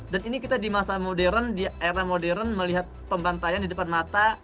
dan ini kita di masa modern di era modern melihat pembantaian di depan mata